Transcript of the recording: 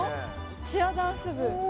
「チアダンス部」